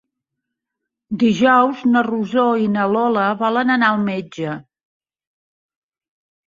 Dijous na Rosó i na Lola volen anar al metge.